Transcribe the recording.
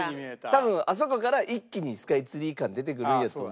多分あそこから一気にスカイツリー感出てくるんやと。